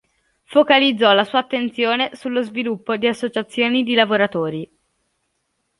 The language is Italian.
Focalizzò la sua attenzione sullo sviluppo di associazioni di lavoratori.